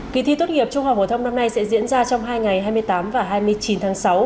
kỳ thi tốt nghiệp trung học phổ thông năm nay sẽ diễn ra trong hai ngày hai mươi tám và hai mươi chín tháng sáu